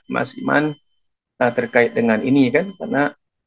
mas iman terkait dengan ini kan karena